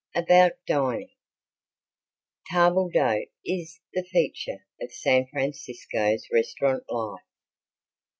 About Dining Table d'hote is the feature of San Francisco's restaurant life.